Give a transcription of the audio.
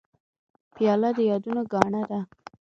پیاله د یادونو ګاڼه ده.